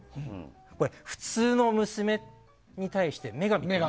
これは普通の娘に対して女神と。